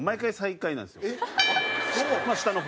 下の方。